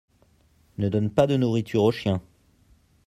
ne donne pas de nourriture aux chiens.